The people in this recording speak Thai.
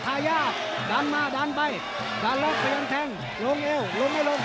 ทายาทดันมาดันไปดันแล้วพยายามแทงลงเอวลงไม่ลง